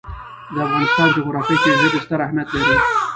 د افغانستان جغرافیه کې ژبې ستر اهمیت لري.